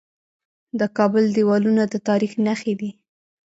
د کابل دیوالونه د تاریخ نښې دي